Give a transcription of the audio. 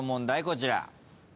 こちら。